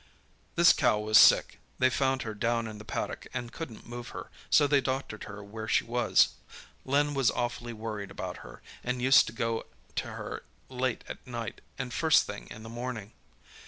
This cow was sick—they found her down in the paddock and couldn't move her, so they doctored her where she was. Len was awfully worried about her, and used to go to her late at night and first thing in the morning.